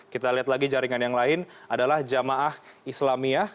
kita lihat lagi jaringan yang lain adalah jamaah islamiyah